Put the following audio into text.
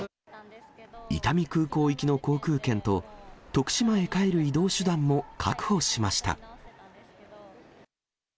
伊丹空港行きの航空券と、徳島へ帰る移動手段も確保しました。